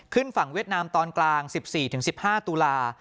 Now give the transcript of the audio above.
ขึ้นฝั่งเวียดนามตอนกลาง๑๔๑๕ตุลา